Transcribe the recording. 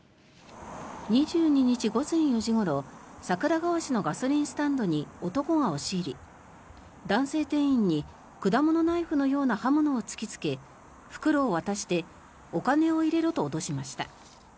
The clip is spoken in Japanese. ２２日午前４時ごろ桜川市のガソリンスタンドに男が押し入り、男性店員に果物ナイフのような刃物を突きつけ、袋を渡してお金を入れろと脅しました。